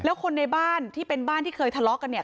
แล้วคนในบ้านที่เป็นบ้านที่เคยทะเลาะกันเนี่ย